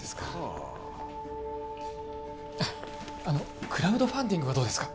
ああのクラウドファンディングはどうですか？